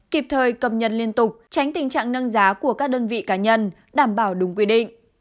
kịp thời cập nhật liên tục tránh tình trạng nâng giá của các đơn vị cá nhân đảm bảo đúng quy định